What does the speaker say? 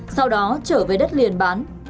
sau đó trở về đất liền bán